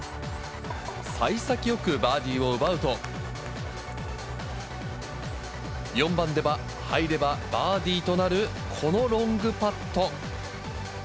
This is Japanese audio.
さい先よくバーディーを奪うと、４番では、入ればバーディーとなるこのロングパット。